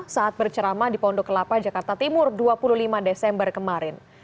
saat bercerama di pondok kelapa jakarta timur dua puluh lima desember kemarin